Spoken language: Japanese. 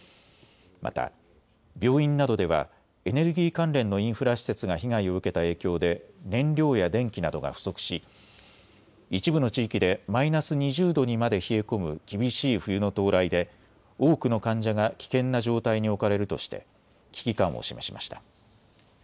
また病院などではエネルギー関連のインフラ施設が被害を受けた影響で燃料や電気などが不足し一部の地域でマイナス２０度にまで冷え込む厳しい冬の到来で多くの患者が危険な状態に置かれるとして危機感を示しました。